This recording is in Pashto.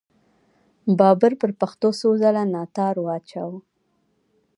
بابر پر پښتنو څو څله ناتار واچاوو.